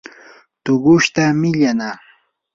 tuqushta millanaa.